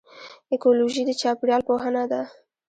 ایکیولوژي د چاپیریال پوهنه ده